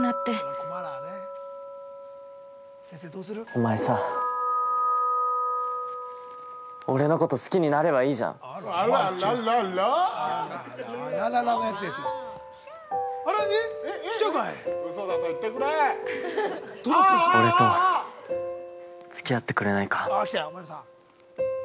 ◆お前さ、俺のこと好きになればいいじゃん。俺とつき合ってくれないか。